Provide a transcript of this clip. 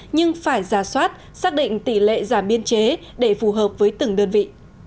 nhưng phải giả soát xác định tỷ lệ giảm biên chế để phù hợp với từng đơn vị